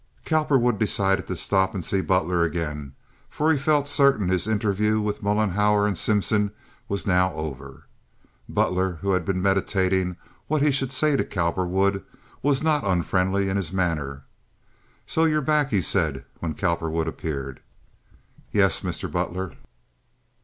Cowperwood decided to stop and see Butler again for he felt certain his interview with Mollenhauer and Simpson was now over. Butler, who had been meditating what he should say to Cowperwood, was not unfriendly in his manner. "So you're back," he said, when Cowperwood appeared. "Yes, Mr. Butler."